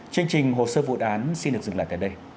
chương trình hồ sơ vụ án xin được dừng lại tại đây